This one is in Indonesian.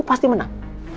ibu pasti menang